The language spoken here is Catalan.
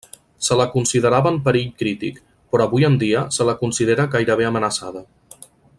Se la considerava en perill crític, però avui en dia se la considera gairebé amenaçada.